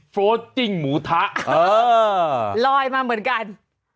เออลอยมาเหมือนกัน